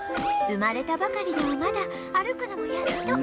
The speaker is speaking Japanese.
生まれたばかりではまだ歩くのもやっと